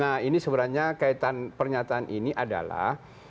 nah ini sebenarnya kaitan pernyataan ini adalah